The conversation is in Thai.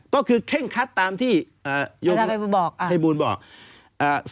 ก็คือเคร่งคัดตามที่อ่ายกอาจารย์ให้บูลบอกอ่าให้บูลบอกอ่า